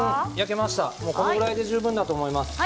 これぐらいで十分だと思います。